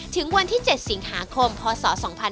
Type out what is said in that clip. ถึงวันที่๗สิงหาคมพศ๒๕๖๒